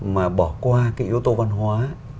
mà bỏ qua cái yếu tố văn hóa